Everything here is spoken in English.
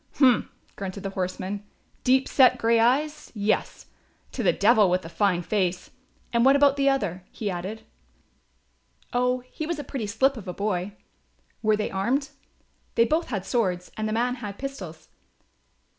"Humph," grunted the horseman, "deep set grey eyes, yes; to the devil with the fine face! And what about the other?" he added. "Oh, he was a pretty slip of a boy." "Were they armed?" "They both had swords and the man had pistols."